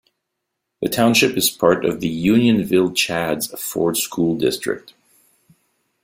The township is part of the Unionville-Chadds Ford School District.